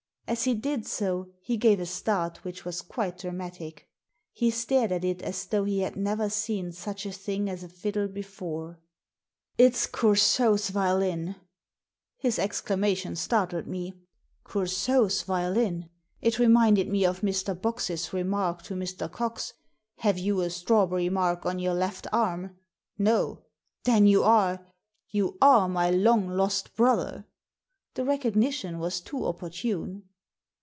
As he did so he gave a start which was quite dramatic He stared at it as though he had never seen such a thing as a fiddle before; " It's Coursault's violin !" His exclamation startled me. Coursault's violin! It reminded me of Mr. Box's remark to Mr. Cox, "Have you a strawberry mark on your left arm?" ''No." "Then you are — you are my long lost brother." The recognition was too opportune.